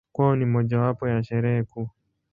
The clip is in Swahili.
Kwao ni mojawapo ya Sherehe kuu.